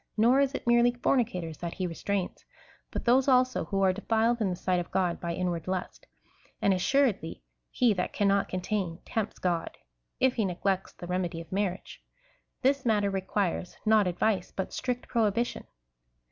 Nor is it merely fornicators that he restrains, but those also who are defiled in the sight of God by inward lust ; and assuredly he that cannot contain tempts God, if he neglects the remedy of marriage. This matter requires — not advice, but strict prohibition.